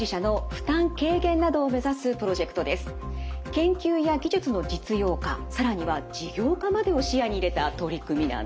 研究や技術の実用化更には事業化までを視野に入れた取り組みなんです。